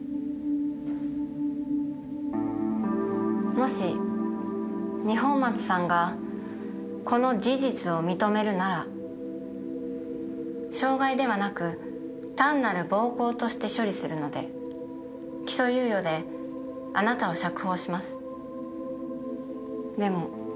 もし二本松さんがこの事実を認めるなら傷害ではなく単なる暴行として処理するので起訴猶予であなたを釈放します。